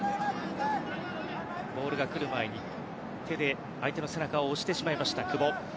ボールがくる前に手で相手の背中を押してしまいました久保。